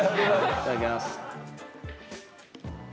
いただきます。